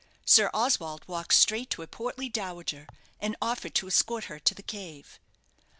Sir Oswald walked straight to a portly dowager, and offered to escort her to the cave.